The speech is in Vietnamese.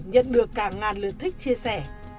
nhận được cả ngàn lượt thích chia sẻ